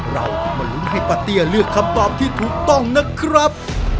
เรามาลุ้นให้ป้าเตี้ยเลือกคำตอบที่ถูกต้องนะครับ